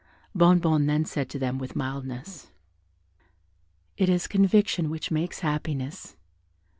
Bonnebonne then said to them, with mildness, "It is conviction which makes happiness.